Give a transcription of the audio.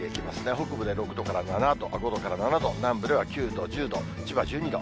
北部で５度から７度、南部では９度、１０度、千葉１２度。